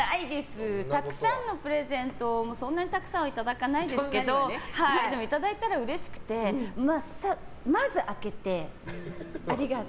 たくさんのプレゼントをそんなにたくさんはいただかないですけどでも、いただいたらうれしくてまず開ける。